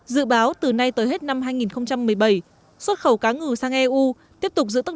dự báo từ nay tới hết năm hai nghìn một mươi bảy xuất khẩu cá ngừ sang eu tiếp tục giữ tăng